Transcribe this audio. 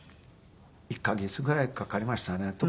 １カ月ぐらいかかりましたね。